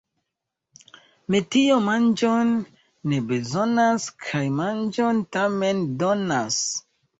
Metio manĝon ne bezonas kaj manĝon tamen donas.